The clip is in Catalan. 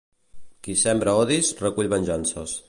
Qui sembra odis, recull venjances.